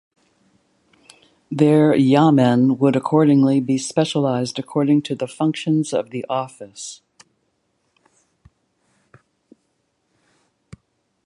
Their "yamen" would accordingly be specialised according to the functions of the office.